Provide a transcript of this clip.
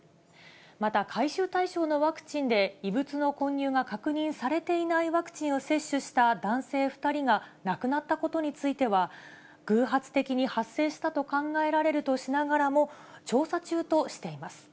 また、回収対象のワクチンで異物の混入が確認されていないワクチンを接種した男性２人が亡くなったことについては、偶発的に発生したと考えられるとしながらも、調査中としています。